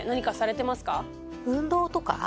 運動とか？